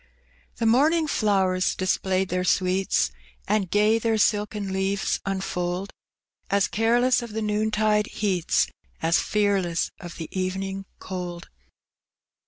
The morning flowers displayed their sweets, And gay their silken leaves unfold. As careless of the noontide heats. As fearless of the evening cold.